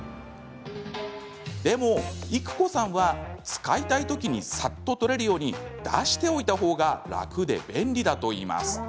でも育子さんは、使いたい時にさっと取れるように出しておいた方が楽で便利だといいます。